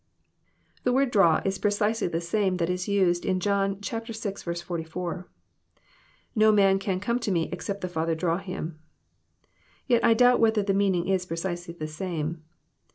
The word draw " is precisely the same that is used in John vi. 44 :<* No man can come to Me except the Father draw him." Yet I doubt wLeeher the meaning is precisely the same.